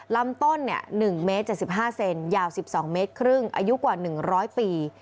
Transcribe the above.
ลำต้น๑เมตร๗๕เซนยาว๑๒เมตรครึ่งอายุกว่า๑๐๐ปี